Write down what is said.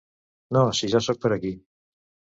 No, si ja sóc per aquí.